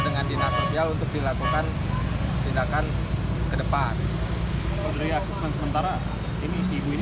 dengan dinas sosial untuk dilakukan tindakan ke depan dari asesmen sementara ini si ibu ini